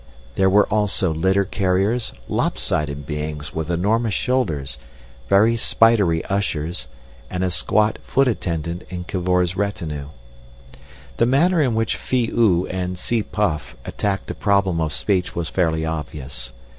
There were also litter carriers, lopsided beings, with enormous shoulders, very spidery ushers, and a squat foot attendant in Cavor's retinue. The manner in which Phi oo and Tsi puff attacked the problem of speech was fairly obvious.